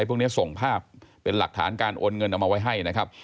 พวกนี้ส่งภาพเป็นหลักฐานการโอนเงินเอามาไว้ให้นะครับ